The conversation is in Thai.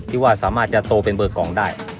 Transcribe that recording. ที่ว่าสามารถจะโตเป็นเบอร์กล่องได้